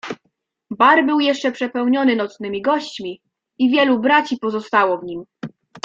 "Bar był jeszcze przepełniony nocnymi gośćmi i wielu braci pozostało w nim."